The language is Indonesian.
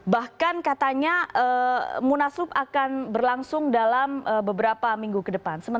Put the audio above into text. bahkan katanya munaslup akan dihubungi dengan kekuatan